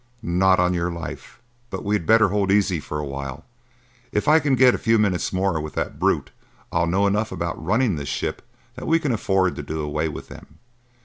"Not on your life, but we had better hold easy for a while. If I can get a few minutes more with that brute I'll know enough about running this ship that we can afford to do away with them.